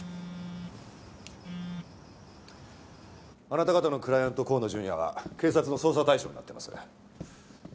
あなた方のクライアント河野純也は警察の捜査対象になっています。